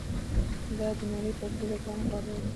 دا د نړۍ تر ټولو ګران خواړه دي.